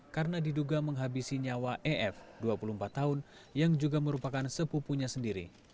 karena diduga menghabisi nyawa ef dua puluh empat tahun yang juga merupakan sepupunya sendiri